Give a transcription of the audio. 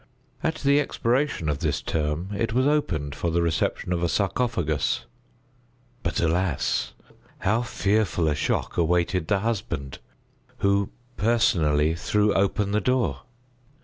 At the expiration of this term it was opened for the reception of a sarcophagus; but, alas! how fearful a shock awaited the husband, who, personally, threw open the door!